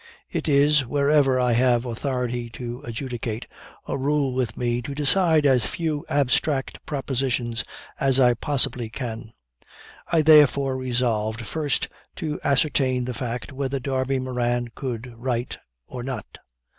It is, wherever I have authority to adjudicate, a rule with me to decide as few abstract propositions as I possibly can. I therefore resolved first to ascertain the fact whether Darby Moran could write or not.